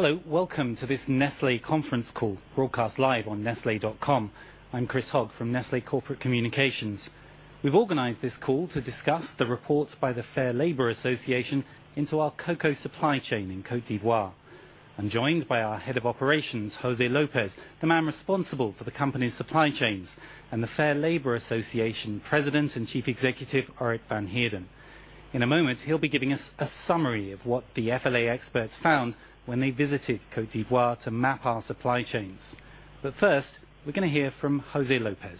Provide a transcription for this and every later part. Hello, welcome to this Nestlé conference call broadcast live on nestle.com. I'm Chris Hogg from Nestlé Corporate Communications. We've organized this call to discuss the report by the Fair Labor Association into our cocoa supply chain in Côte d'Ivoire. I'm joined by our Head of Operations, José Lopez, the man responsible for the company's supply chains, and the Fair Labor Association President and Chief Executive, Auret van Heerden. In a moment, he'll be giving us a summary of what the FLA experts found when they visited Côte d'Ivoire to map our supply chains. First, we're going to hear from José Lopez.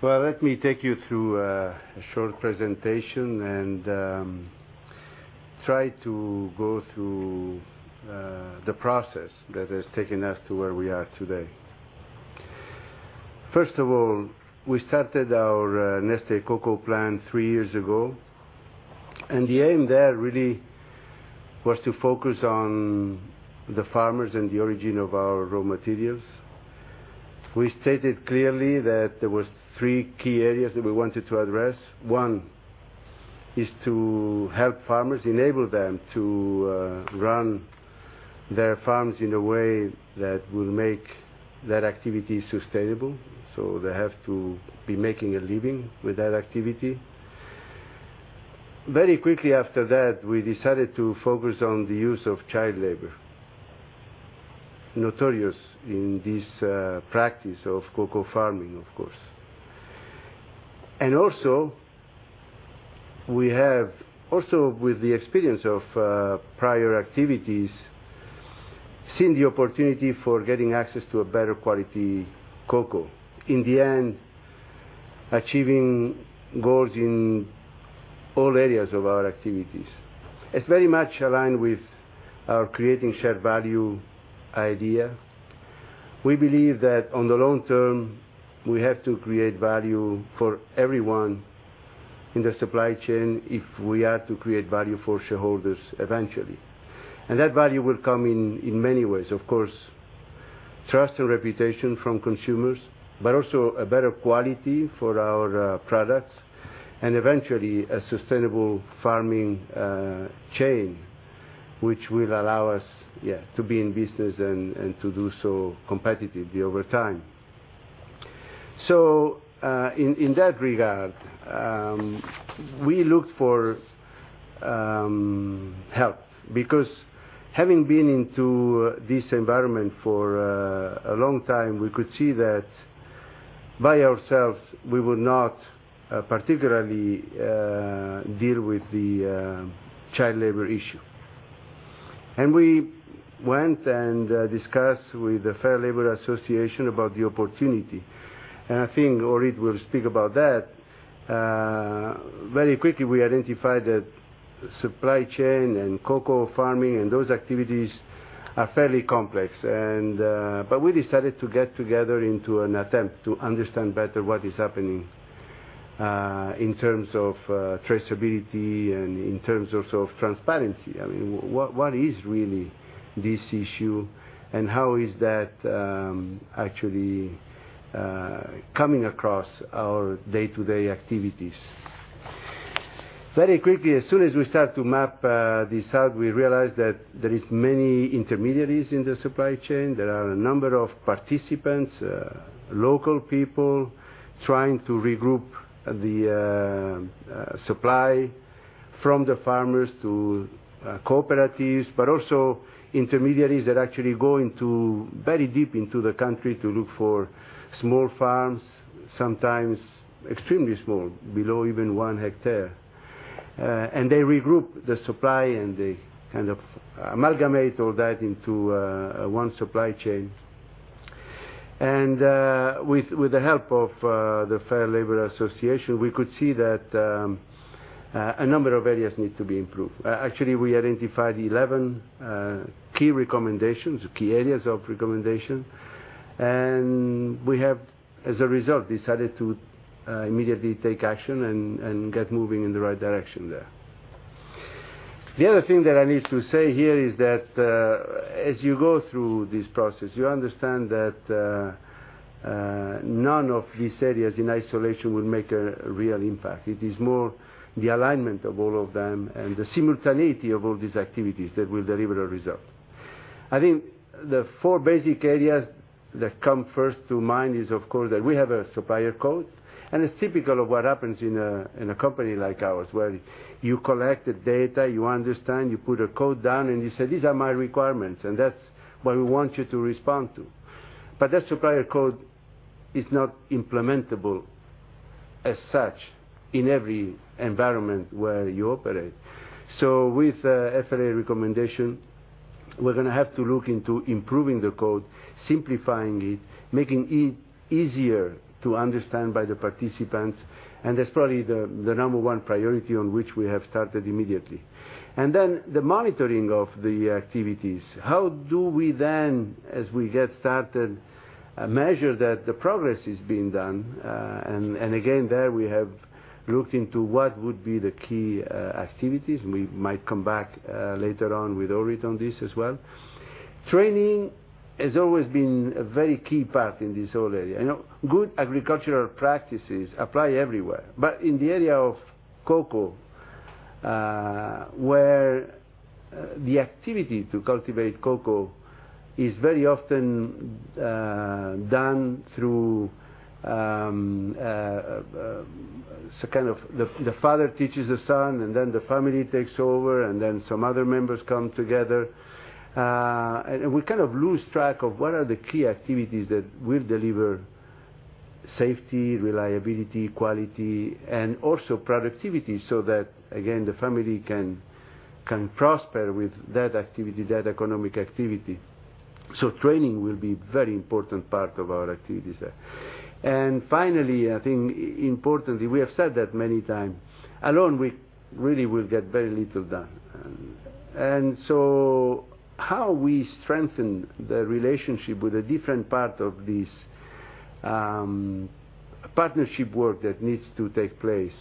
Let me take you through a short presentation and try to go through the process that has taken us to where we are today. First of all, we started our Nestlé Cocoa Plan 3 years ago, the aim there really was to focus on the farmers and the origin of our raw materials. We stated clearly that there were three key areas that we wanted to address. One is to help farmers, enable them to run their farms in a way that will make that activity sustainable. They have to be making a living with that activity. Very quickly after that, we decided to focus on the use of child labor, notorious in this practice of cocoa farming, of course. Also, we have, also with the experience of prior activities, seen the opportunity for getting access to a better quality cocoa. In the end, achieving goals in all areas of our activities. It's very much aligned with our Creating Shared Value idea. We believe that on the long term, we have to create value for everyone in the supply chain if we are to create value for shareholders eventually. That value will come in many ways. Of course, trust and reputation from consumers, but also a better quality for our products, and eventually a sustainable farming chain, which will allow us to be in business and to do so competitively over time. In that regard, we looked for help because having been into this environment for a long time, we could see that by ourselves, we would not particularly deal with the child labor issue. We went and discussed with the Fair Labor Association about the opportunity. I think Auret will speak about that. Very quickly, we identified that supply chain and cocoa farming and those activities are fairly complex. We decided to get together into an attempt to understand better what is happening, in terms of traceability and in terms of transparency. I mean, what is really this issue and how is that actually coming across our day-to-day activities? Very quickly, as soon as we start to map this out, we realized that there is many intermediaries in the supply chain. There are a number of participants, local people trying to regroup the supply from the farmers to cooperatives. Also intermediaries that actually go very deep into the country to look for small farms, sometimes extremely small, below even one hectare. They regroup the supply, and they kind of amalgamate all that into one supply chain. With the help of the Fair Labor Association, we could see that a number of areas need to be improved. Actually, we identified 11 key recommendations or key areas of recommendation, and we have, as a result, decided to immediately take action and get moving in the right direction there. The other thing that I need to say here is that, as you go through this process, you understand that none of these areas in isolation will make a real impact. It is more the alignment of all of them and the simultaneity of all these activities that will deliver a result. I think the 4 basic areas that come first to mind is, of course, that we have a supplier code, and it's typical of what happens in a company like ours, where you collect the data, you understand, you put a code down, and you say, "These are my requirements, and that's what we want you to respond to." That supplier code is not implementable as such in every environment where you operate. With FLA recommendation, we're going to have to look into improving the code, simplifying it, making it easier to understand by the participants. That's probably the number 1 priority on which we have started immediately. Then the monitoring of the activities. How do we then, as we get started, measure that the progress is being done? Again, there we have looked into what would be the key activities. We might come back later on with Auret on this as well. Training has always been a very key part in this whole area. Good agricultural practices apply everywhere. In the area of cocoa, where the activity to cultivate cocoa is very often done through the father teaches the son, and then the family takes over, and then some other members come together. We kind of lose track of what are the key activities that will deliver safety, reliability, quality, and also productivity, so that again, the family can prosper with that activity, that economic activity. Training will be very important part of our activities there. Finally, I think importantly, we have said that many times. Alone, we really will get very little done. So how we strengthen the relationship with a different part of this partnership work that needs to take place.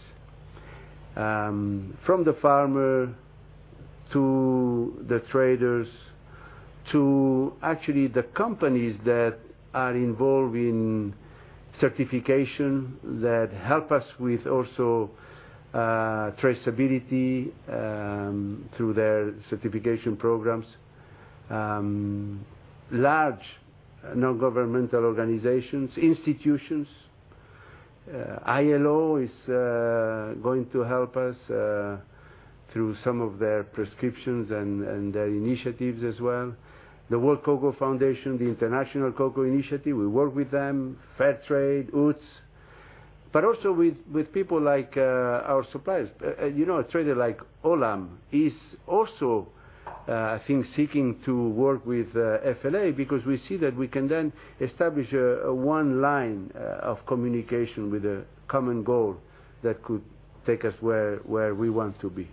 From the farmer to the traders, to actually the companies that are involved in certification that help us with also traceability through their certification programs. Large non-governmental organizations, institutions. ILO is going to help us through some of their prescriptions and their initiatives as well. The World Cocoa Foundation, the International Cocoa Initiative, we work with them. Fairtrade, UTZ. Also with people like our suppliers. A trader like Olam is also, I think, seeking to work with FLA because we see that we can then establish one line of communication with a common goal that could take us where we want to be.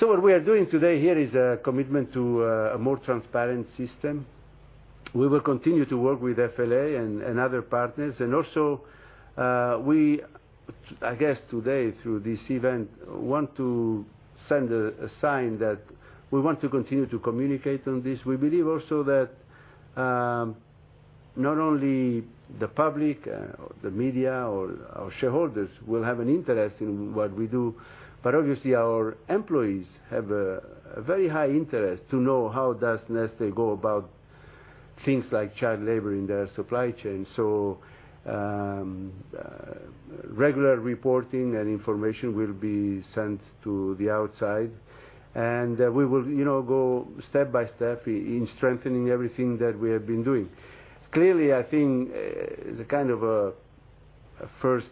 What we are doing today here is a commitment to a more transparent system. We will continue to work with FLA and other partners. Also we, I guess today through this event, want to send a sign that we want to continue to communicate on this. We believe also that not only the public or the media or our shareholders will have an interest in what we do, but obviously our employees have a very high interest to know how does Nestlé go about things like child labor in their supply chain. Regular reporting and information will be sent to the outside, and we will go step by step in strengthening everything that we have been doing. Clearly, I think the kind of first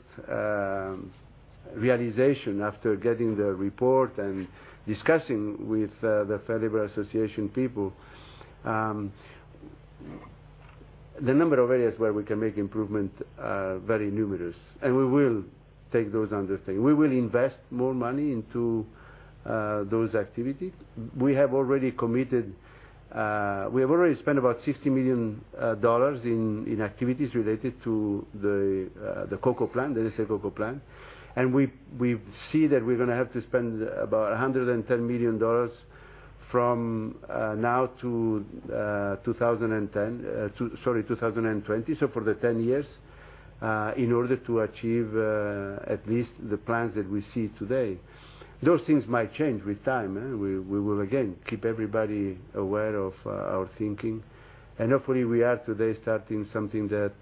realization after getting the report and discussing with the Fair Labor Association people, the number of areas where we can make improvement are very numerous, and we will take those undertaking. We will invest more money into those activities. We have already spent about $60 million in activities related to the Cocoa Plan, the Nestlé Cocoa Plan. We see that we're going to have to spend about $110 million from now to 2020, so for the 10 years, in order to achieve at least the plans that we see today. Those things might change with time. We will again, keep everybody aware of our thinking. Hopefully we are today starting something that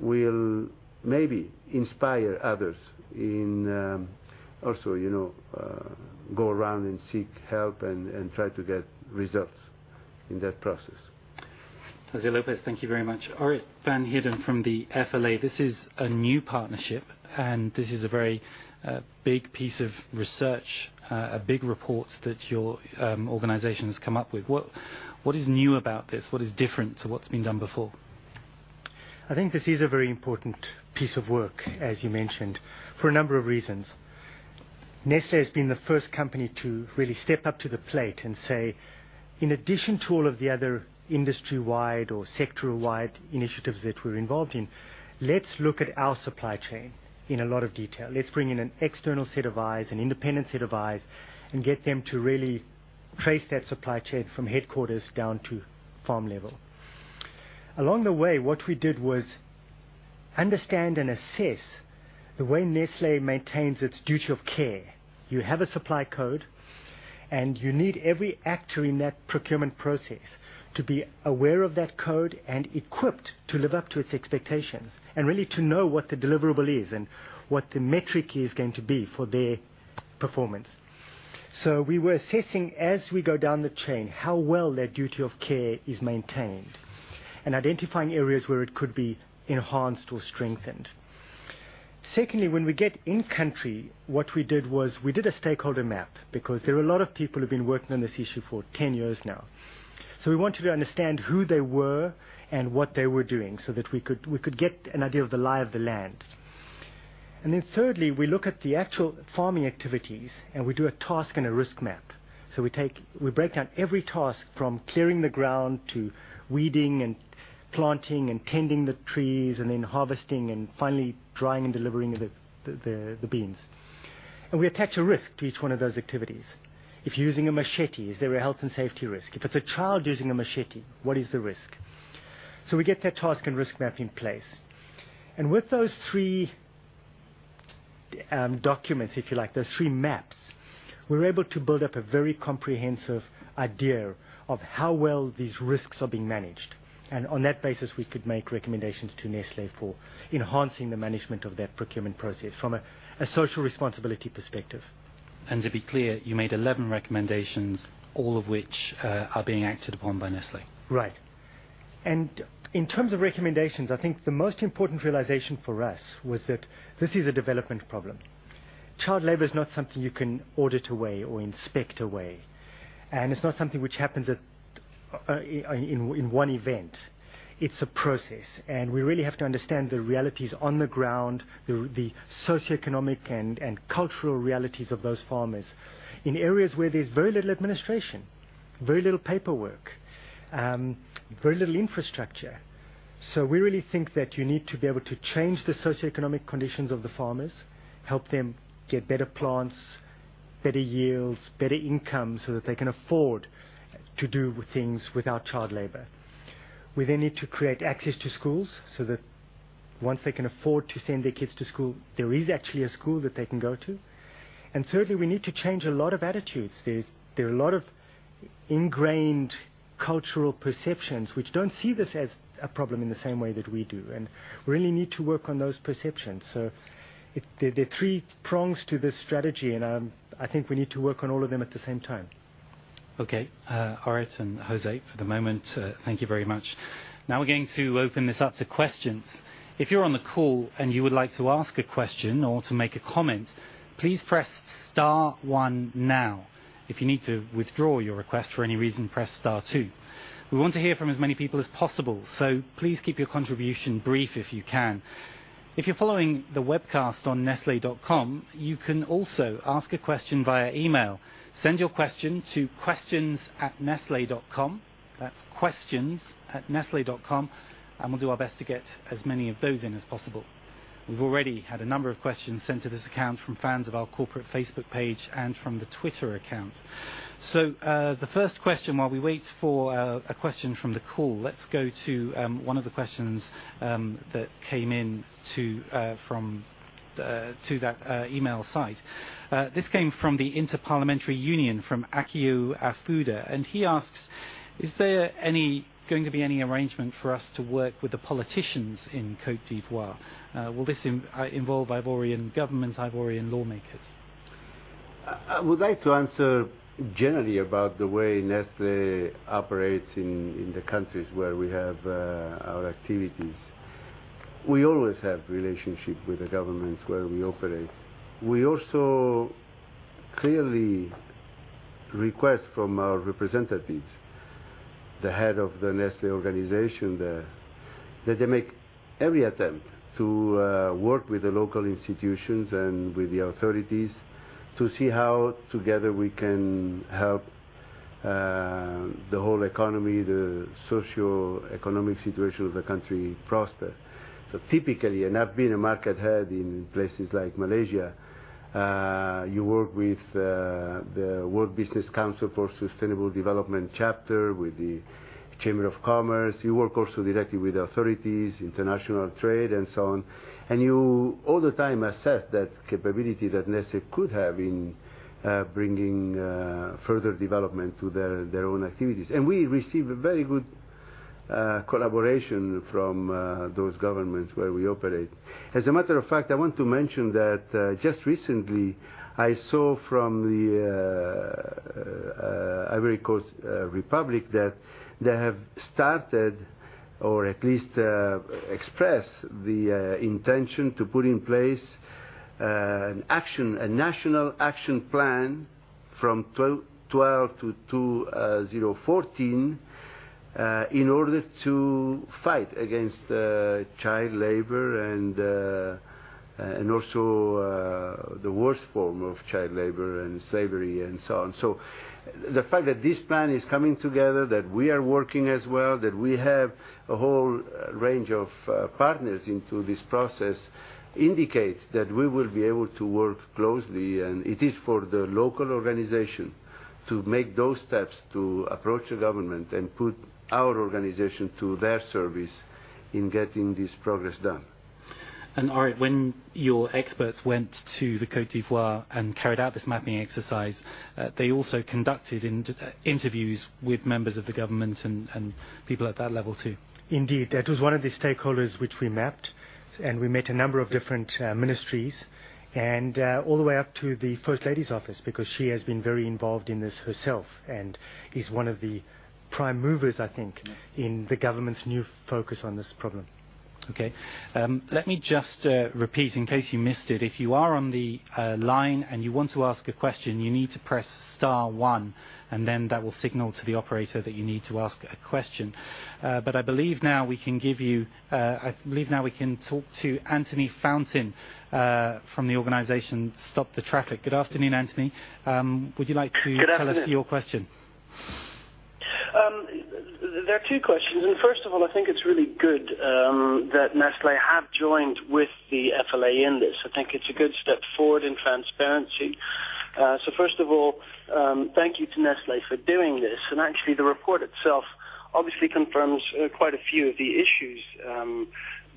will maybe inspire others in also go around and seek help and try to get results in that process. José Lopez, thank you very much. Auret van Heerden from the FLA. This is a new partnership and this is a very big piece of research, a big report that your organization has come up with. What is new about this? What is different to what's been done before? I think this is a very important piece of work, as you mentioned, for a number of reasons. Nestlé has been the first company to really step up to the plate and say, in addition to all of the other industry-wide or sector-wide initiatives that we're involved in, let's look at our supply chain in a lot of detail. Let's bring in an external set of eyes, an independent set of eyes, and get them to really trace that supply chain from headquarters down to farm level. Along the way, what we did was understand and assess the way Nestlé maintains its duty of care. You have a supply code, and you need every actor in that procurement process to be aware of that code and equipped to live up to its expectations, and really to know what the deliverable is and what the metric is going to be for their performance. We were assessing as we go down the chain, how well their duty of care is maintained, and identifying areas where it could be enhanced or strengthened. Secondly, when we get in-country, we did a stakeholder map because there are a lot of people who have been working on this issue for 10 years now. We wanted to understand who they were and what they were doing, so that we could get an idea of the lie of the land. Thirdly, we look at the actual farming activities, and we do a task and a risk map. We break down every task from clearing the ground to weeding and planting and tending the trees, and then harvesting, and finally drying and delivering the beans. We attach a risk to each one of those activities. If you are using a machete, is there a health and safety risk? If it is a child using a machete, what is the risk? We get that task and risk map in place. With those three documents, if you like, those three maps, we were able to build up a very comprehensive idea of how well these risks are being managed. On that basis, we could make recommendations to Nestlé for enhancing the management of that procurement process from a social responsibility perspective. To be clear, you made 11 recommendations, all of which are being acted upon by Nestlé. Right. In terms of recommendations, I think the most important realization for us was that this is a development problem. Child labor is not something you can audit away or inspect away, and it is not something which happens in one event. It is a process. We really have to understand the realities on the ground, the socioeconomic and cultural realities of those farmers in areas where there is very little administration, very little paperwork, very little infrastructure. We really think that you need to be able to change the socioeconomic conditions of the farmers, help them get better plants, better yields, better income, so that they can afford to do things without child labor. We then need to create access to schools so that once they can afford to send their kids to school, there is actually a school that they can go to. Thirdly, we need to change a lot of attitudes. There are a lot of ingrained cultural perceptions which don't see this as a problem in the same way that we do, and we really need to work on those perceptions. There are three prongs to this strategy, and I think we need to work on all of them at the same time. Okay. Auret and José, for the moment, thank you very much. We're going to open this up to questions. If you're on the call and you would like to ask a question or to make a comment, please press star one now. If you need to withdraw your request for any reason, press star two. We want to hear from as many people as possible, so please keep your contribution brief if you can. If you're following the webcast on nestle.com, you can also ask a question via email. Send your question to questions@nestle.com. That's questions@nestle.com, we'll do our best to get as many of those in as possible. We've already had a number of questions sent to this account from fans of our corporate Facebook page and from the Twitter account. The first question, while we wait for a question from the call, let's go to one of the questions that came in to that email site. This came from the Inter-Parliamentary Union, from Akio Afuda, he asks, "Is there going to be any arrangement for us to work with the politicians in Côte d'Ivoire? Will this involve Ivorian government, Ivorian lawmakers? I would like to answer generally about the way Nestlé operates in the countries where we have our activities. We always have relationship with the governments where we operate. We also clearly request from our representatives, the head of the Nestlé organization there, that they make every attempt to work with the local institutions and with the authorities to see how together we can help the whole economy, the socioeconomic situation of the country prosper. Typically, I've been a market head in places like Malaysia, you work with the World Business Council for Sustainable Development chapter, with the Chamber of Commerce. You work also directly with authorities, international trade, and so on. You all the time assess that capability that Nestlé could have in bringing further development to their own activities. We receive a very good collaboration from those governments where we operate. As a matter of fact, I want to mention that just recently, I saw from the Ivory Coast Republic that they have started or at least expressed the intention to put in place a national action plan from 2012 to 2014 in order to fight against child labor and also the worst form of child labor and slavery, and so on. The fact that this plan is coming together, that we are working as well, that we have a whole range of partners into this process, indicates that we will be able to work closely. It is for the local organization to make those steps to approach the government and put our organization to their service in getting this progress done. Auret, when your experts went to the Côte d'Ivoire and carried out this mapping exercise, they also conducted interviews with members of the government and people at that level, too. Indeed. That was one of the stakeholders which we mapped, and we met a number of different ministries, and all the way up to the First Lady's office, because she has been very involved in this herself and is one of the prime movers, I think, in the government's new focus on this problem. Okay. Let me just repeat in case you missed it. If you are on the line and you want to ask a question, you need to press star one, and then that will signal to the operator that you need to ask a question. I believe now we can talk to Anthony Fountain from the organization STOP THE TRAFFIK. Good afternoon, Anthony. Would you like to tell us your question? There are two questions, first of all, I think it's really good that Nestlé have joined with the FLA in this. I think it's a good step forward in transparency. First of all, thank you to Nestlé for doing this. Actually, the report itself obviously confirms quite a few of the issues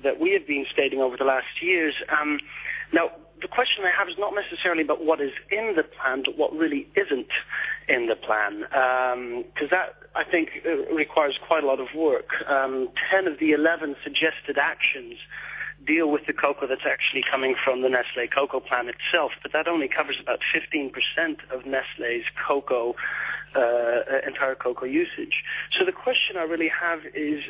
that we have been stating over the last years. The question I have is not necessarily about what is in the plan, but what really isn't in the plan. That, I think, requires quite a lot of work. 10 of the 11 suggested actions deal with the cocoa that's actually coming from The Nestlé Cocoa Plan itself, but that only covers about 15% of Nestlé's entire cocoa usage. The question I really have is: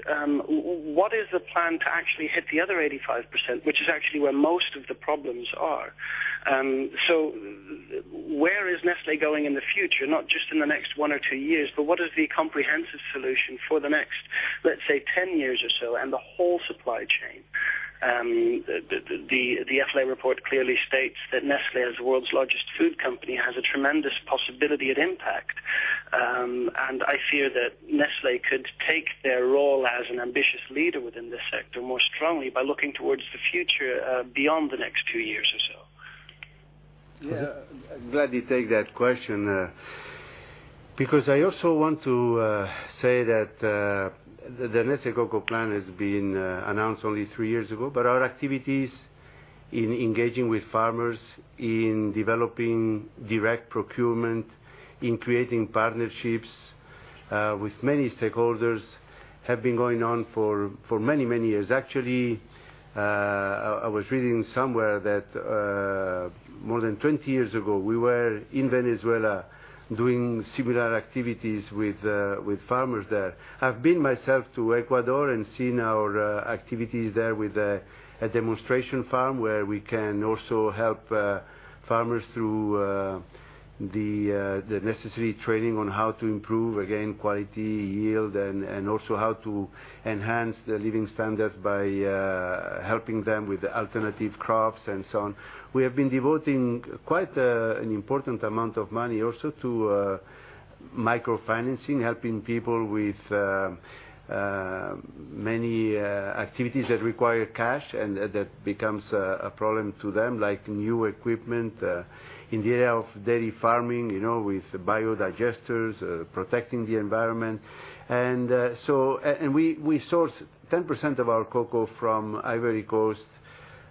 what is the plan to actually hit the other 85%, which is actually where most of the problems are? Where is Nestlé going in the future, not just in the next one or two years, but what is the comprehensive solution for the next, let's say, 10 years or so and the whole supply chain? The FLA report clearly states that Nestlé, as the world's largest food company, has a tremendous possibility of impact. I fear that Nestlé could take their role as an ambitious leader within this sector more strongly by looking towards the future beyond the next two years or so. I'm glad you take that question. I also want to say that The Nestlé Cocoa Plan has been announced only three years ago, but our activities in engaging with farmers, in developing direct procurement, in creating partnerships with many stakeholders have been going on for many, many years. Actually, I was reading somewhere that more than 20 years ago, we were in Venezuela doing similar activities with farmers there. I've been myself to Ecuador and seen our activities there with a demonstration farm where we can also help farmers through the necessary training on how to improve, again, quality, yield, and also how to enhance their living standard by helping them with alternative crops and so on. We have been devoting quite an important amount of money also to microfinancing, helping people with many activities that require cash and that becomes a problem to them, like new equipment in the area of dairy farming, with biodigesters, protecting the environment. We source 10% of our cocoa from Ivory Coast,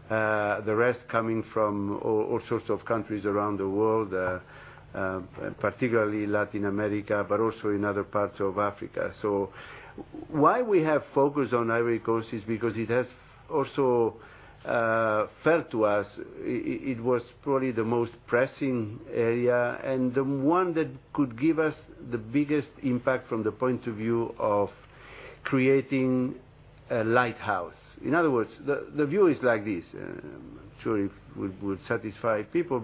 the rest coming from all sorts of countries around the world, particularly Latin America, but also in other parts of Africa. Why we have focused on Ivory Coast is because it has also felt to us it was probably the most pressing area, and the one that could give us the biggest impact from the point of view of creating a lighthouse. In other words, the view is like this. I'm not sure if it would satisfy people,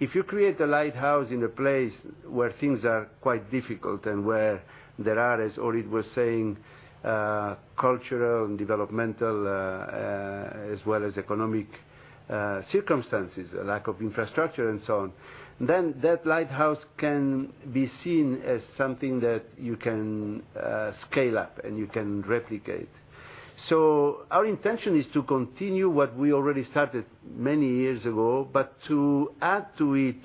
if you create a lighthouse in a place where things are quite difficult and where there are, as Auret was saying, cultural and developmental, as well as economic circumstances, a lack of infrastructure and so on, that lighthouse can be seen as something that you can scale up and you can replicate. Our intention is to continue what we already started many years ago, but to add to it,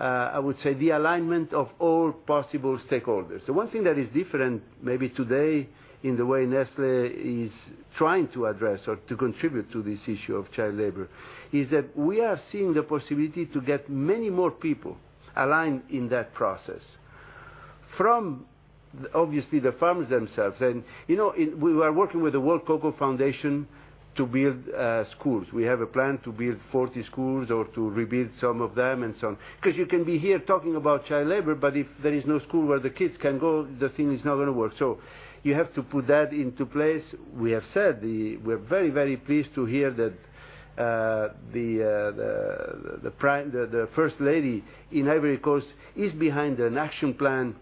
I would say, the alignment of all possible stakeholders. The one thing that is different maybe today in the way Nestlé is trying to address or to contribute to this issue of child labor, is that we are seeing the possibility to get many more people aligned in that process. From obviously the farmers themselves. We were working with the World Cocoa Foundation to build schools. We have a plan to build 40 schools or to rebuild some of them, and so on. You can be here talking about child labor, but if there is no school where the kids can go, the thing is not going to work. You have to put that into place. We have said we're very, very pleased to hear that the First Lady in Ivory Coast is behind an action plan,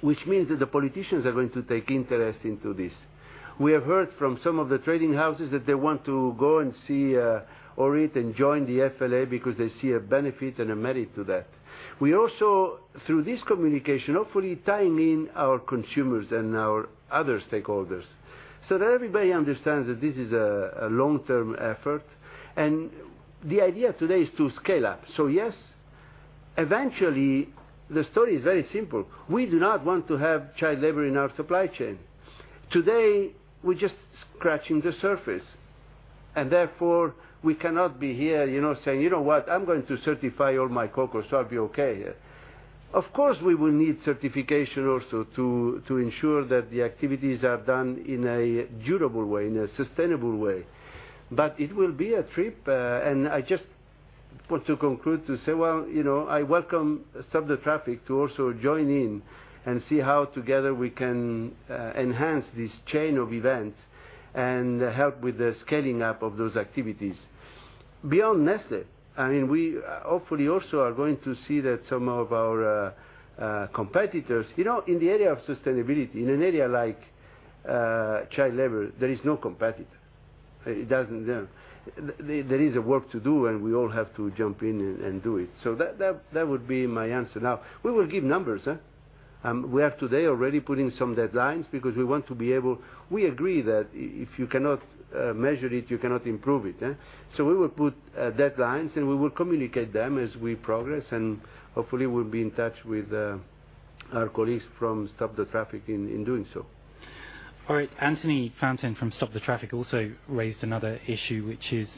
which means that the politicians are going to take interest into this. We have heard from some of the trading houses that they want to go and see Orit and join the FLA because they see a benefit and a merit to that. We also, through this communication, hopefully tie in our consumers and our other stakeholders so that everybody understands that this is a long-term effort. The idea today is to scale up. Yes, eventually the story is very simple. We do not want to have child labor in our supply chain. Today, we're just scratching the surface, and therefore we cannot be here saying, "You know what? I'm going to certify all my cocoa, so I'll be okay." Of course, we will need certification also to ensure that the activities are done in a durable way, in a sustainable way. It will be a trip. I just want to conclude to say, well, I welcome STOP THE TRAFFIK to also join in and see how together we can enhance this chain of events and help with the scaling up of those activities. Beyond Nestlé, we hopefully also are going to see that some of our competitors-- In the area of sustainability, in an area like child labor, there is no competitor. It doesn't. There is work to do, and we all have to jump in and do it. That would be my answer. Now, we will give numbers. We have today already put in some deadlines because we want to be able. We agree that if you cannot measure it, you cannot improve it. We will put deadlines, and we will communicate them as we progress, and hopefully, we'll be in touch with our colleagues from STOP THE TRAFFIK in doing so. All right. Anthony Fountain from STOP THE TRAFFIK also raised another issue, which is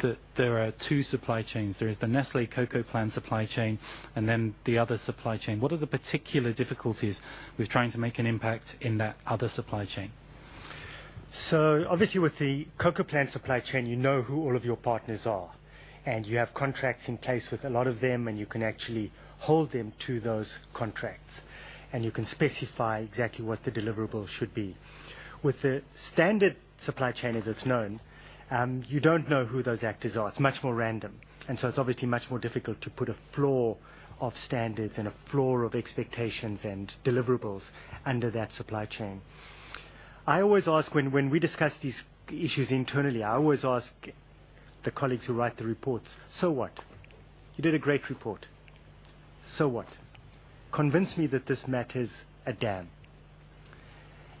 that there are two supply chains. There is The Nestlé Cocoa Plan supply chain, and then the other supply chain. What are the particular difficulties with trying to make an impact in that other supply chain? Obviously, with the Cocoa Plan supply chain, you know who all of your partners are, and you have contracts in place with a lot of them, and you can actually hold them to those contracts, and you can specify exactly what the deliverables should be. With the standard supply chain as it's known, you don't know who those actors are. It's much more random, so it's obviously much more difficult to put a floor of standards and a floor of expectations and deliverables under that supply chain. I always ask when we discuss these issues internally, I always ask the colleagues who write the reports, "So what? You did a great report. So what? Convince me that this matters a damn."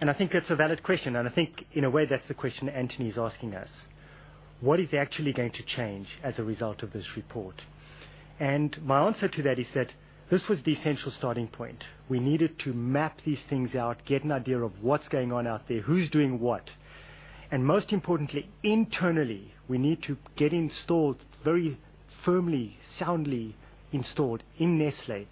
I think that's a valid question, and I think in a way that's the question Anthony's asking us. What is actually going to change as a result of this report? My answer to that is that this was the essential starting point. We needed to map these things out, get an idea of what's going on out there, who's doing what, and most importantly, internally, we need to get installed very firmly, soundly installed in Nestlé,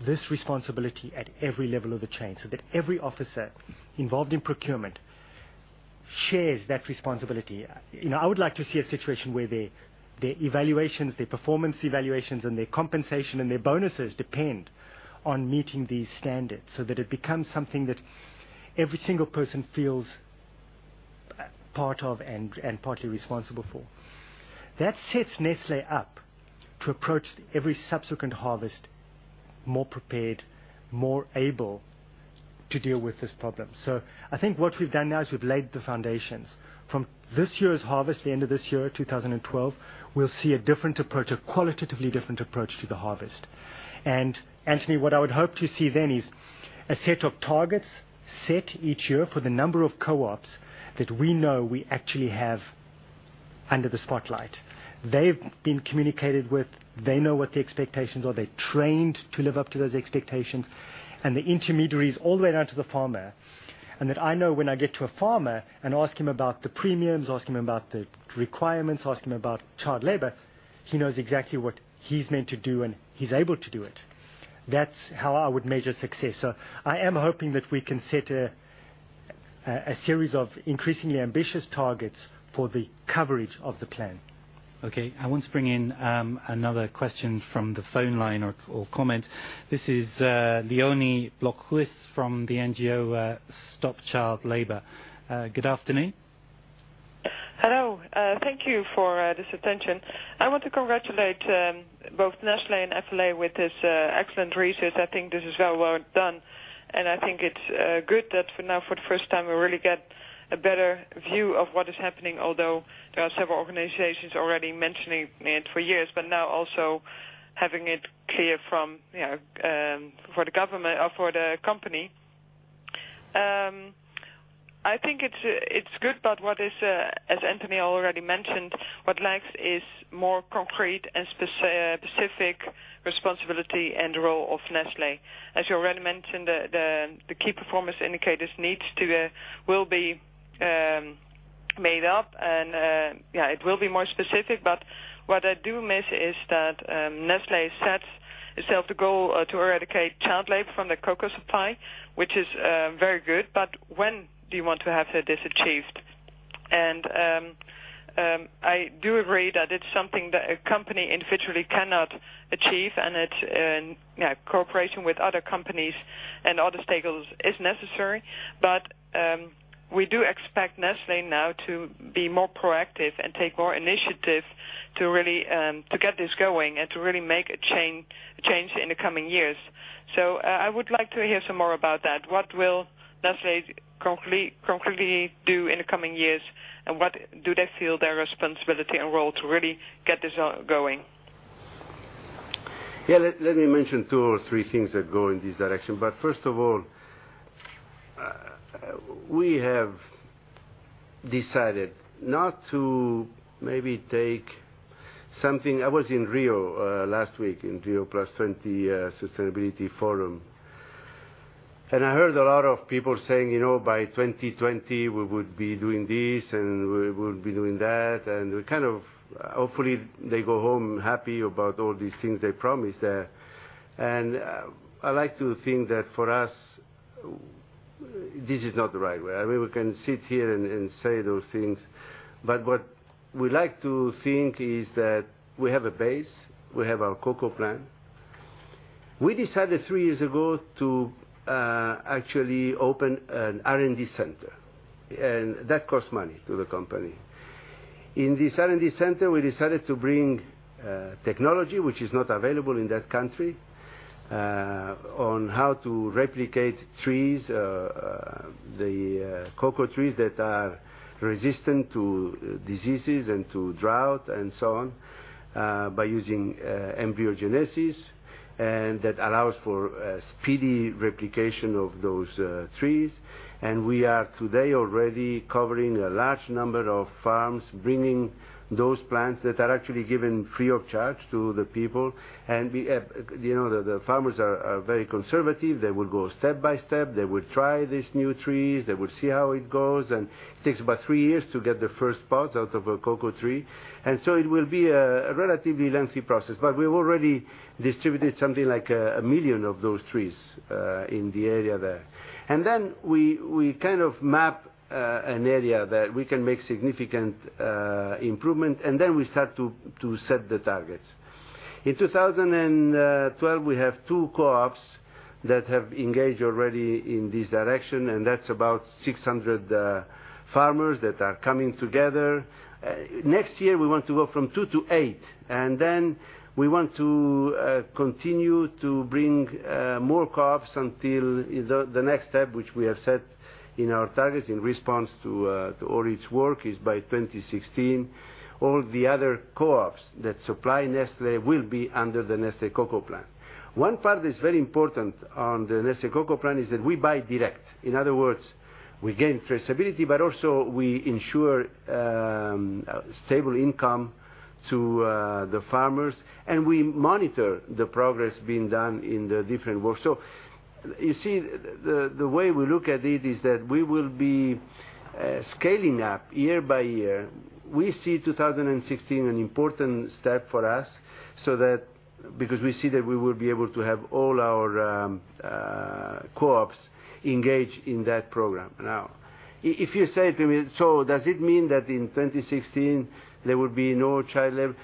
this responsibility at every level of the chain, so that every officer involved in procurement shares that responsibility. I would like to see a situation where their evaluations, their performance evaluations, and their compensation, and their bonuses depend on meeting these standards, so that it becomes something that every single person feels part of and partly responsible for. That sets Nestlé up to approach every subsequent harvest more prepared, more able to deal with this problem. I think what we've done now is we've laid the foundations. From this year's harvest, the end of this year, 2012, we'll see a different approach, a qualitatively different approach to the harvest. Anthony, what I would hope to see then is a set of targets set each year for the number of co-ops that we know we actually have under the spotlight. They've been communicated with. They know what the expectations are. They're trained to live up to those expectations and the intermediaries all the way down to the farmer. That I know when I get to a farmer and ask him about the premiums, ask him about the requirements, ask him about child labor, he knows exactly what he's meant to do, and he's able to do it. That's how I would measure success. I am hoping that we can set a series of increasingly ambitious targets for the coverage of the plan. Okay. I want to bring in another question from the phone line or comment. This is Leonie Blokhuis from the NGO Stop Child Labour. Good afternoon. Hello. Thank you for this attention. I want to congratulate both Nestlé and FLA with this excellent research. I think this is well done, and I think it's good that for now, for the first time, we really get a better view of what is happening. Although there are several organizations already mentioning it for years, now also having it clear for the company. I think it's good. As Anthony already mentioned, what lacks is more concrete and specific responsibility and role of Nestlé. As you already mentioned, the Key Performance Indicators needs will be made up, and it will be more specific. What I do miss is that Nestlé sets itself the goal to eradicate child labor from the cocoa supply, which is very good. When do you want to have this achieved? I do agree that it's something that a company individually cannot achieve, and that cooperation with other companies and other stakeholders is necessary. We do expect Nestlé now to be more proactive and take more initiative to get this going and to really make a change in the coming years. I would like to hear some more about that. What will Nestlé concretely do in the coming years, and what do they feel their responsibility and role to really get this going? Yeah, let me mention two or three things that go in this direction. First of all, we have decided not to maybe take something. I was in Rio last week, in Rio+20 Sustainability Forum, I heard a lot of people saying, by 2020 we would be doing this, and we would be doing that. We kind of, hopefully, they go home happy about all these things they promised there. I like to think that for us, this is not the right way. We can sit here and say those things, what we like to think is that we have a base. We have our Cocoa Plan. We decided three years ago to actually open an R&D center, and that cost money to the company. In this R&D center, we decided to bring technology which is not available in that country on how to replicate trees, the cocoa trees that are resistant to diseases and to drought and so on, by using embryogenesis. That allows for speedy replication of those trees. We are today already covering a large number of farms, bringing those plants that are actually given free of charge to the people. The farmers are very conservative. They will go step by step. They will try these new trees. They will see how it goes, and it takes about three years to get the first pod out of a cocoa tree. It will be a relatively lengthy process, but we've already distributed something like 1 million of those trees in the area there. We kind of map an area that we can make significant improvement, then we start to set the targets. In 2012, we have two co-ops that have engaged already in this direction, and that's about 600 farmers that are coming together. Next year, we want to go from two to eight, and then we want to continue to bring more co-ops until the next step, which we have set in our targets in response to Auret's work, is by 2016, all the other co-ops that supply Nestlé will be under The Nestlé Cocoa Plan. One part that's very important on The Nestlé Cocoa Plan is that we buy direct. In other words, we gain traceability, but also we ensure stable income to the farmers, and we monitor the progress being done in the different work. You see, the way we look at it is that we will be scaling up year by year. We see 2016 an important step for us, because we see that we will be able to have all our co-ops engaged in that program. If you say to me, "Does it mean that in 2016 there will be no child labor?"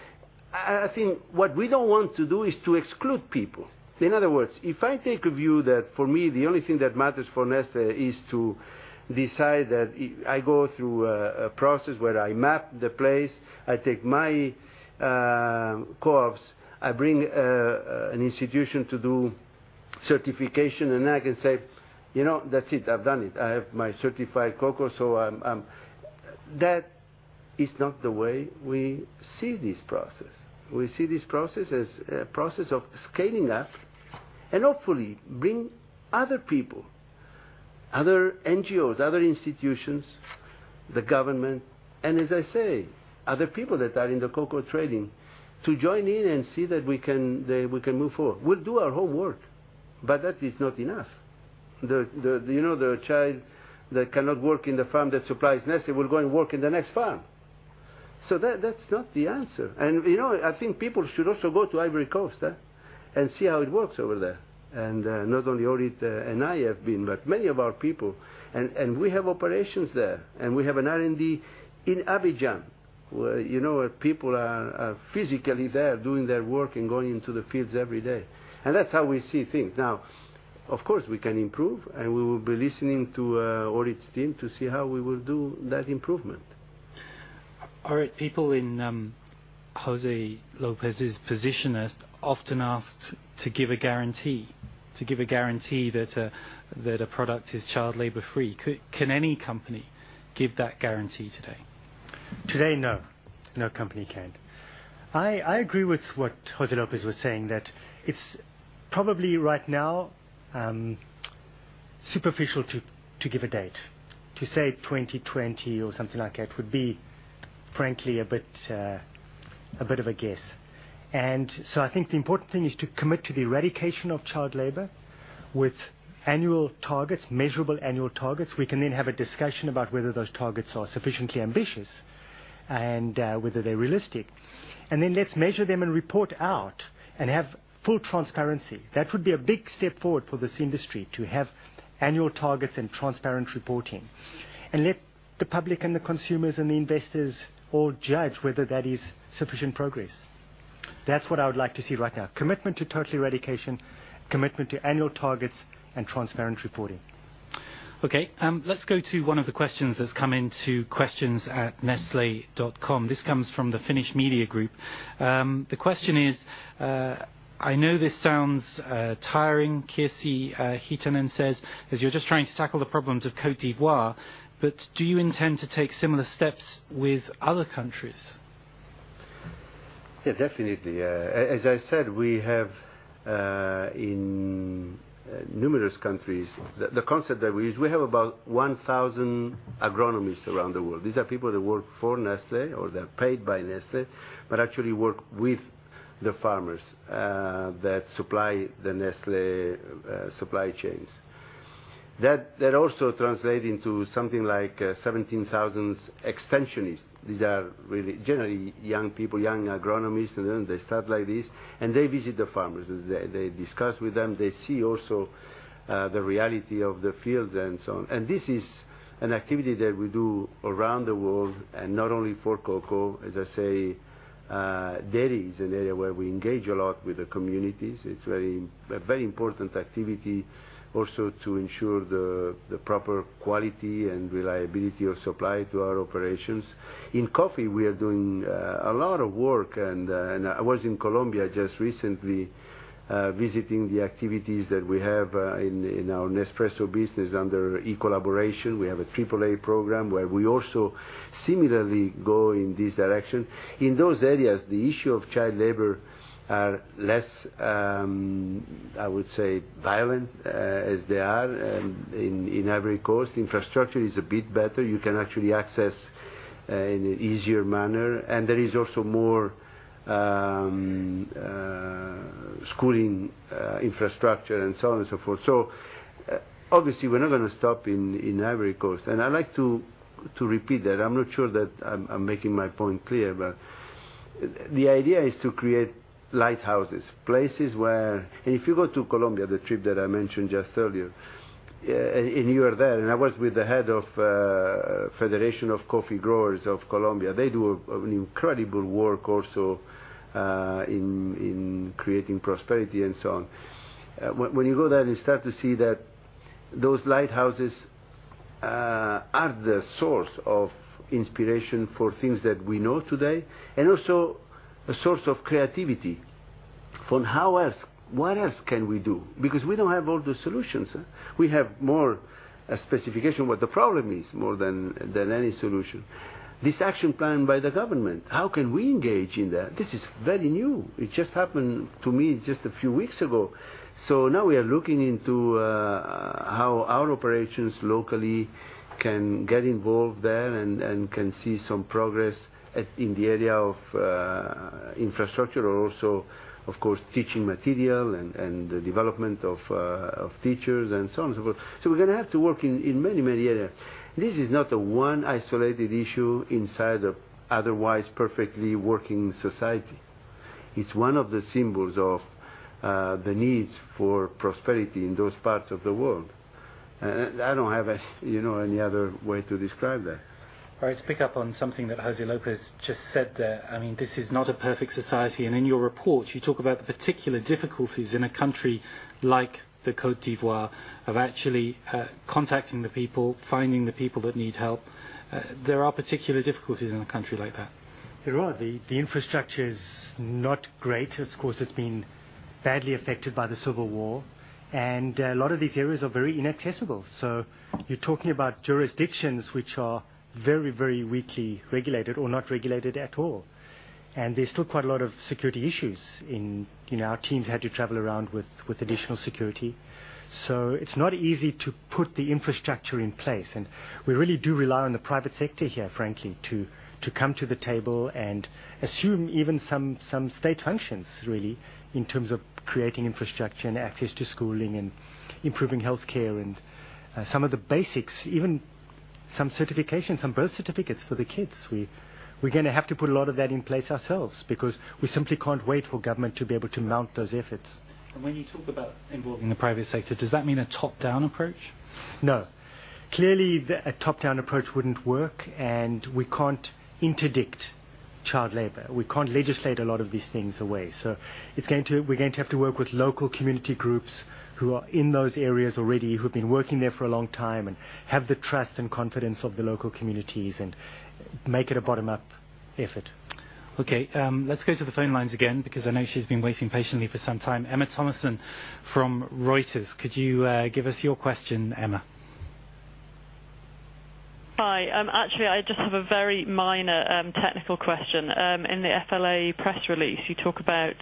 I think what we don't want to do is to exclude people. In other words, if I take a view that for me, the only thing that matters for Nestlé is to decide that I go through a process where I map the place, I take my co-ops, I bring an institution to do certification, and I can say, "That's it. I've done it. I have my certified cocoa." That is not the way we see this process. We see this process as a process of scaling up and hopefully bring other people, other NGOs, other institutions, the government, and as I say, other people that are in the cocoa trading to join in and see that we can move forward. We'll do our whole work, but that is not enough. The child that cannot work in the farm that supplies Nestlé will go and work in the next farm. That's not the answer. I think people should also go to Ivory Coast and see how it works over there. Not only Orit and I have been, but many of our people. We have operations there. We have an R&D in Abidjan, where people are physically there doing their work and going into the fields every day. That's how we see things. Of course, we can improve, and we will be listening to Orit's team to see how we will do that improvement. Orit, people in José Lopez's position are often asked to give a guarantee that a product is child labor free. Can any company give that guarantee today? Today, no. No company can. I agree with what José Lopez was saying, that it's probably right now superficial to give a date. To say 2020 or something like that would be, frankly, a bit of a guess. I think the important thing is to commit to the eradication of child labor with annual targets, measurable annual targets. We can then have a discussion about whether those targets are sufficiently ambitious and whether they're realistic. Let's measure them and report out and have full transparency. That would be a big step forward for this industry, to have annual targets and transparent reporting. Let the public and the consumers and the investors all judge whether that is sufficient progress. That's what I would like to see right now. Commitment to total eradication, commitment to annual targets, and transparent reporting. Okay. Let's go to one of the questions that's come into questions@nestle.com. This comes from the Sanoma Media Finland. The question is, "I know this sounds tiring," Casey Heatonen says, "as you're just trying to tackle the problems of Côte d'Ivoire. Do you intend to take similar steps with other countries? Yeah, definitely. As I said, we have in numerous countries. The concept that we use, we have about 1,000 agronomists around the world. These are people that work for Nestlé, or they're paid by Nestlé, but actually work with the farmers that supply the Nestlé supply chains. That also translate into something like 17,000 extensionists. These are generally young people, young agronomists, and then they start like this, and they visit the farmers. They discuss with them. They see also the reality of the field and so on. This is an activity that we do around the world and not only for cocoa. As I say, dairy is an area where we engage a lot with the communities. It's a very important activity also to ensure the proper quality and reliability of supply to our operations. In coffee, we are doing a lot of work. I was in Colombia just recently, visiting the activities that we have in our Nespresso business under Ecolaboration. We have a AAA program where we also similarly go in this direction. In those areas, the issues of child labor are less, I would say, violent as they are in Ivory Coast. Infrastructure is a bit better. You can actually access in an easier manner, and there is also more schooling infrastructure and so on and so forth. Obviously, we're not going to stop in Ivory Coast, and I'd like to repeat that. I'm not sure that I'm making my point clear, but the idea is to create lighthouses. If you go to Colombia, the trip that I mentioned just earlier, and you were there, I was with the head of Federation of Coffee Growers of Colombia. They do an incredible work also in creating prosperity and so on. When you go there, you start to see that those lighthouses are the source of inspiration for things that we know today and also a source of creativity for what else can we do? We don't have all the solutions. We have more a specification what the problem is more than any solution. This action plan by the government, how can we engage in that? This is very new. It just happened to me just a few weeks ago. Now we are looking into how our operations locally can get involved there and can see some progress at in the area of infrastructure or also, of course, teaching material and the development of teachers and so on and so forth. We're going to have to work in many, many areas. This is not a one isolated issue inside the otherwise perfectly working society. It's one of the symbols of the needs for prosperity in those parts of the world. I don't have any other way to describe that. To pick up on something that José Lopez just said there. This is not a perfect society. In your report, you talk about the particular difficulties in a country like the Côte d'Ivoire of actually contacting the people, finding the people that need help. There are particular difficulties in a country like that. There are. The infrastructure is not great. Of course, it's been badly affected by the civil war. A lot of these areas are very inaccessible. You're talking about jurisdictions which are very, very weakly regulated or not regulated at all. There's still quite a lot of security issues. Our teams had to travel around with additional security. It's not easy to put the infrastructure in place. We really do rely on the private sector here, frankly, to come to the table and assume even some state functions really in terms of creating infrastructure and access to schooling and improving healthcare and some of the basics, even some certifications, some birth certificates for the kids. We're going to have to put a lot of that in place ourselves because we simply can't wait for government to be able to mount those efforts. When you talk about involving the private sector, does that mean a top-down approach? No. Clearly, a top-down approach wouldn't work, and we can't interdict child labor. We can't legislate a lot of these things away. We're going to have to work with local community groups who are in those areas already, who've been working there for a long time and have the trust and confidence of the local communities and make it a bottom-up effort. Okay. Let's go to the phone lines again, because I know she's been waiting patiently for some time. Emma Thomasson from Reuters. Could you give us your question, Emma? Hi. Actually, I just have a very minor technical question. In the FLA press release, you talk about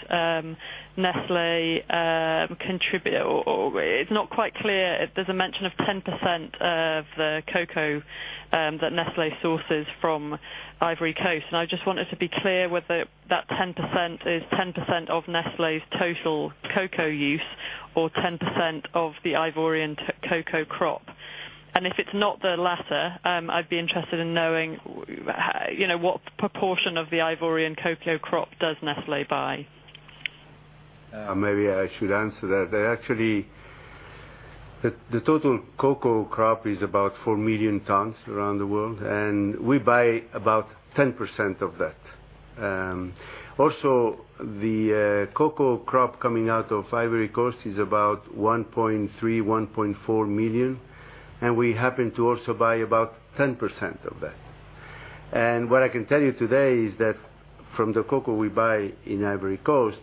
Nestlé contribute or it's not quite clear. There's a mention of 10% of the cocoa that Nestlé sources from Ivory Coast. I just wanted to be clear whether that 10% is 10% of Nestlé's total cocoa use or 10% of the Ivorian cocoa crop. If it's not the latter, I'd be interested in knowing what proportion of the Ivorian cocoa crop does Nestlé buy. Maybe I should answer that. Actually, the total cocoa crop is about 4 million tons around the world, and we buy about 10% of that. Also, the cocoa crop coming out of Ivory Coast is about 1.3, 1.4 million, and we happen to also buy about 10% of that. What I can tell you today is that from the cocoa we buy in Ivory Coast,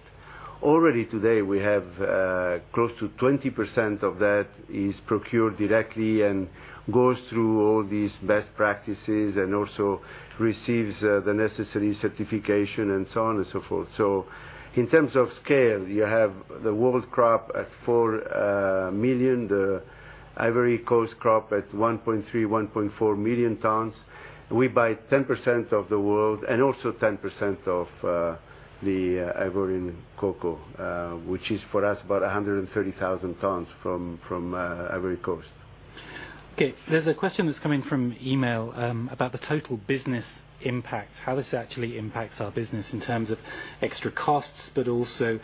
already today we have close to 20% of that is procured directly and goes through all these best practices and also receives the necessary certification and so on and so forth. In terms of scale, you have the world crop at 4 million, the Ivory Coast crop at 1.3, 1.4 million tons. We buy 10% of the world and also 10% of the Ivorian cocoa, which is for us, about 130,000 tons from Ivory Coast. Okay. There's a question that's coming from email about the total business impact, how this actually impacts our business in terms of extra costs. Also,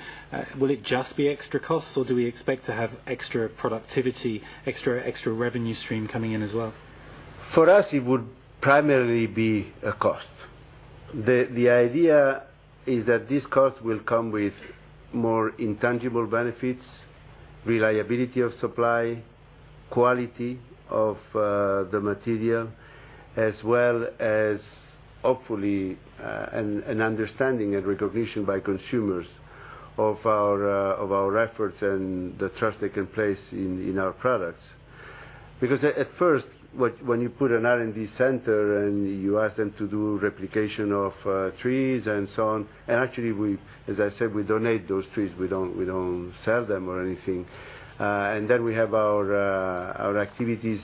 will it just be extra costs, or do we expect to have extra productivity, extra revenue stream coming in as well? For us, it would primarily be a cost. The idea is that this cost will come with more intangible benefits, reliability of supply, quality of the material, as well as hopefully an understanding and recognition by consumers of our efforts and the trust they can place in our products. Because at first, when you put an R&D center and you ask them to do replication of trees and so on, actually as I said, we donate those trees. We don't sell them or anything. Then we have our activities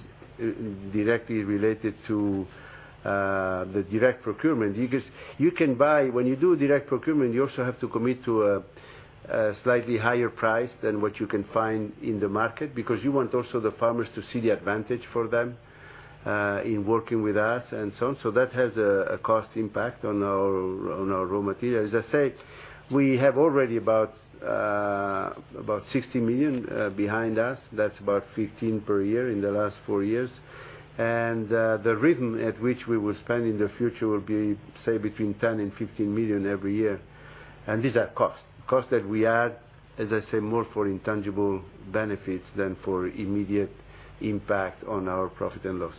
directly related to the direct procurement, because when you do direct procurement, you also have to commit to a slightly higher price than what you can find in the market, because you want also the farmers to see the advantage for them in working with us and so on. That has a cost impact on our raw materials. As I say, we have already about 60 million behind us. That's about 15 per year in the last four years. The rhythm at which we will spend in the future will be, say between 10 million and 15 million every year. These are costs that we add, as I say, more for intangible benefits than for immediate impact on our profit and loss.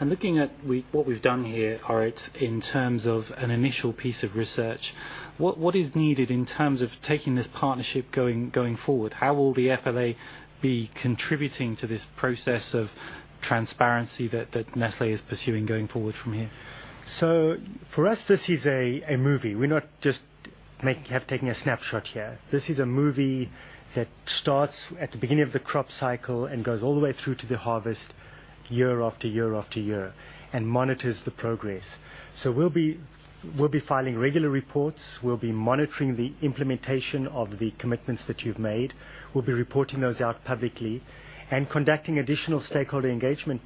Looking at what we've done here, Auret, in terms of an initial piece of research, what is needed in terms of taking this partnership going forward? How will the FLA be contributing to this process of transparency that Nestlé is pursuing going forward from here? For us, this is a movie. We're not just have taken a snapshot here. This is a movie that starts at the beginning of the crop cycle and goes all the way through to the harvest year after year after year, monitors the progress. We'll be filing regular reports. We'll be monitoring the implementation of the commitments that you've made. We'll be reporting those out publicly and conducting additional stakeholder engagements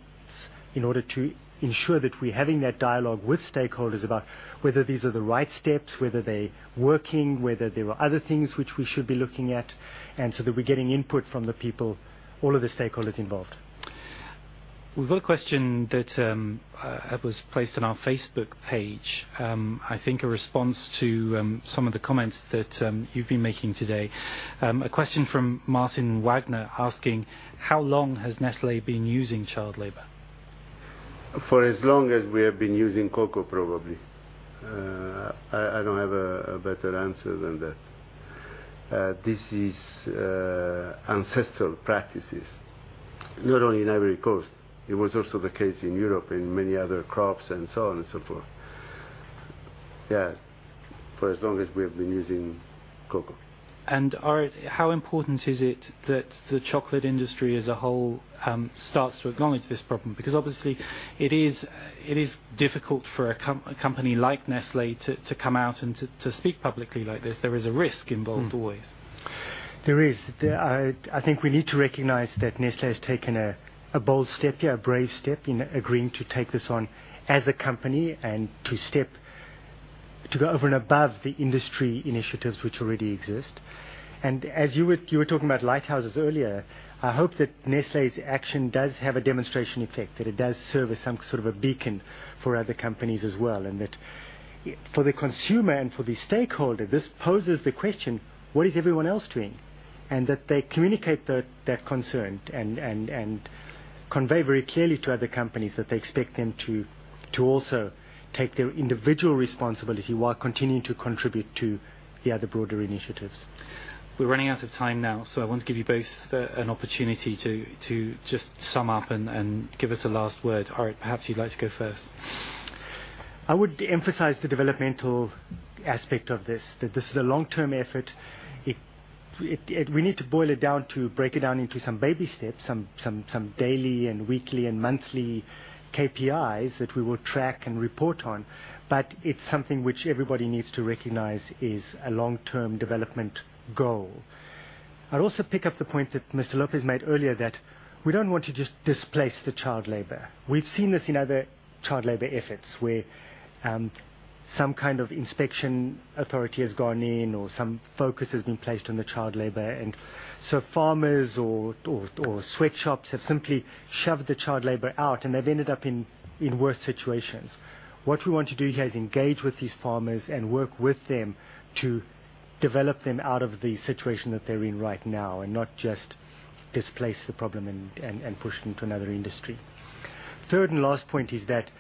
in order to ensure that we're having that dialogue with stakeholders about whether these are the right steps, whether they're working, whether there are other things which we should be looking at, that we're getting input from the people, all of the stakeholders involved. We've got a question that was placed on our Facebook page. I think a response to some of the comments that you've been making today. A question from Martin Wagner asking, how long has Nestlé been using child labor? For as long as we have been using cocoa, probably. I don't have a better answer than that. This is ancestral practices, not only in Ivory Coast. It was also the case in Europe, in many other crops and so on and so forth. Yeah, for as long as we have been using cocoa. Auret, how important is it that the chocolate industry as a whole starts to acknowledge this problem? Obviously it is difficult for a company like Nestlé to come out and to speak publicly like this. There is a risk involved always. There is. I think we need to recognize that Nestlé has taken a bold step here, a brave step in agreeing to take this on as a company and to go over and above the industry initiatives which already exist. As you were talking about lighthouses earlier, I hope that Nestlé's action does have a demonstration effect, that it does serve as some sort of a beacon for other companies as well, and that for the consumer and for the stakeholder, this poses the question, what is everyone else doing? That they communicate that concern and convey very clearly to other companies that they expect them to also take their individual responsibility while continuing to contribute to the other broader initiatives. We're running out of time now. I want to give you both an opportunity to just sum up and give us a last word. Auret, perhaps you'd like to go first. I would emphasize the developmental aspect of this, that this is a long-term effort. We need to boil it down, to break it down into some baby steps, some daily and weekly and monthly KPIs that we will track and report on. It's something which everybody needs to recognize is a long-term development goal. I'd also pick up the point that Mr. Lopez made earlier, that we don't want to just displace the child labor. We've seen this in other child labor efforts, where some kind of inspection authority has gone in or some focus has been placed on the child labor. Farmers or sweatshops have simply shoved the child labor out, and they've ended up in worse situations. What we want to do here is engage with these farmers and work with them to develop them out of the situation that they're in right now and not just displace the problem and push them to another industry. Third and last point is that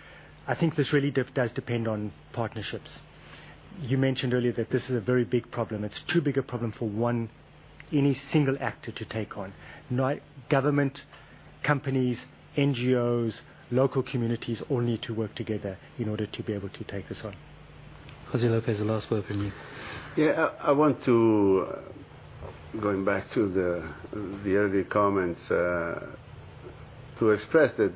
I think this really does depend on partnerships. You mentioned earlier that this is a very big problem. It's too big a problem for any single actor to take on. Government, companies, NGOs, local communities all need to work together in order to be able to take this on. José Lopez, a last word from you. I want to, going back to the early comments, to express that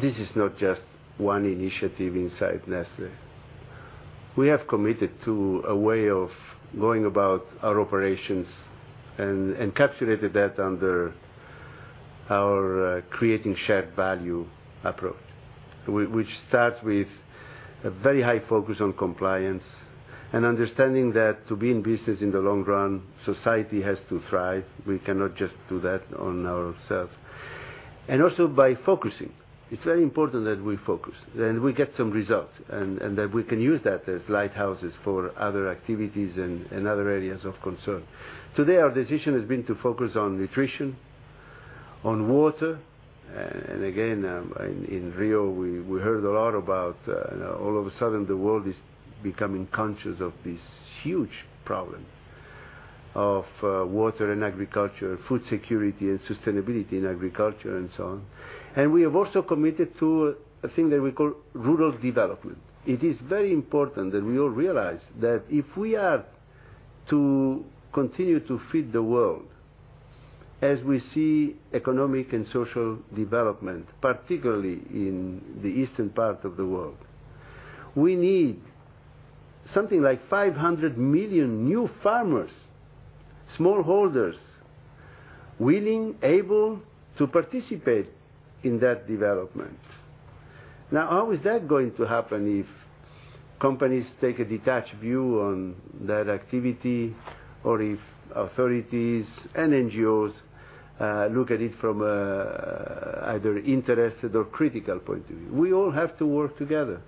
this is not just one initiative inside Nestlé. We have committed to a way of going about our operations and encapsulated that under our Creating Shared Value approach, which starts with a very high focus on compliance and understanding that to be in business in the long run, society has to thrive. We cannot just do that on ourselves. Also by focusing, it's very important that we focus, then we get some results, and that we can use that as lighthouses for other activities and other areas of concern. Today, our decision has been to focus on nutrition, on water, in Rio, we heard a lot about all of a sudden the world is becoming conscious of this huge problem of water and agriculture, food security, and sustainability in agriculture and so on. We have also committed to a thing that we call rural development. It is very important that we all realize that if we are to continue to feed the world as we see economic and social development, particularly in the eastern part of the world, we need something like 500 million new farmers, smallholders, willing, able to participate in that development. How is that going to happen if companies take a detached view on that activity? If authorities and NGOs look at it from either interested or critical point of view. We all have to work together.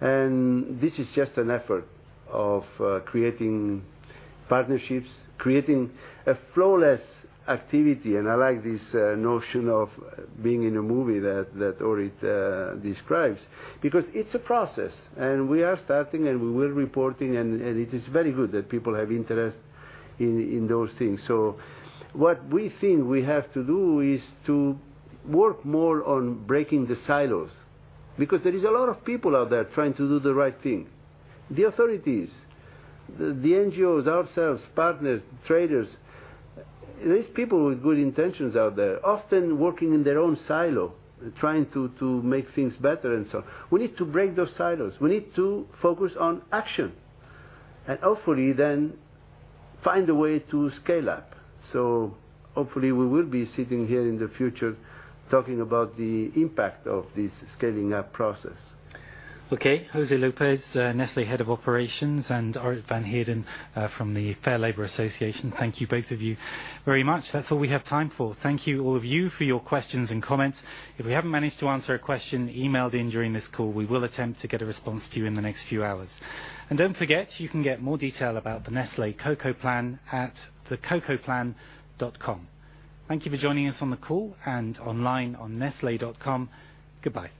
This is just an effort of creating partnerships, creating a flawless activity, I like this notion of being in a movie that Orit describes. It's a process, we are starting, we will report, it is very good that people have interest in those things. What we think we have to do is to work more on breaking the silos, because there is a lot of people out there trying to do the right thing. The authorities, the NGOs, ourselves, partners, traders. There is people with good intentions out there, often working in their own silo, trying to make things better. We need to break those silos. We need to focus on action, hopefully then find a way to scale up. Hopefully we will be sitting here in the future talking about the impact of this scaling-up process. José Lopez, Nestlé Head of Operations, Orit Nanzer-Van Heerden from the Fair Labor Association. Thank you both of you very much. That's all we have time for. Thank you all of you for your questions and comments. If we haven't managed to answer a question emailed in during this call, we will attempt to get a response to you in the next few hours. Don't forget, you can get more detail about the Nestlé Cocoa Plan at thecocoaplan.com. Thank you for joining us on the call and online on nestle.com. Goodbye.